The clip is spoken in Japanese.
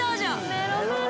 メロメロ